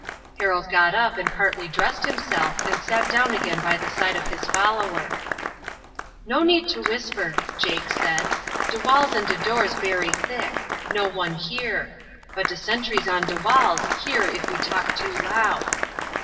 Harold got up and partly dressed himself and then sat down by the side of his follower. "No need to whisper," Jake said. "De walls and de doors bery thick; no one hear. But de sentries on de walls hear if we talk too loud."